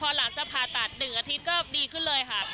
พอหลังจากผ่าตัด๑อาทิตย์ก็ดีขึ้นเลยค่ะ